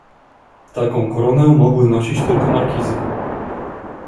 "Taką koronę mogły nosić tylko markizy."